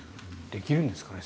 できるんですかね？